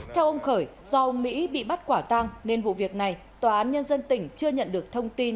theo ông khởi do mỹ bị bắt quả tang nên vụ việc này tòa án nhân dân tỉnh chưa nhận được thông tin